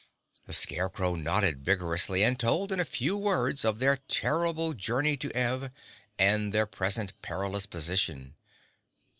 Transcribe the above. The Scarecrow nodded vigorously and told in a few words of their terrible journey to Ev and their present perilous position.